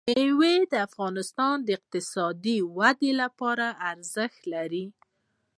مېوې د افغانستان د اقتصادي ودې لپاره ارزښت لري.